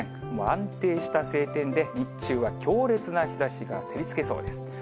安定した晴天で日中は強烈な日ざしが照りつけそうです。